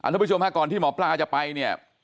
ทุกผู้ชมฮะก่อนที่หมอปลาจะไปเนี่ย